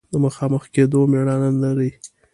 د مخامخ کېدو مېړانه نه لري.